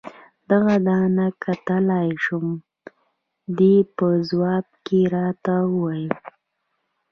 دغه دانه کتلای شم؟ دې په ځواب کې راته وویل.